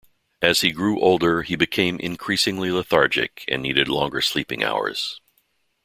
As he grew older, he became increasingly lethargic and needed longer sleeping hours.